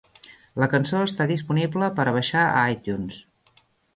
La cançó està disponible per a baixar a iTunes.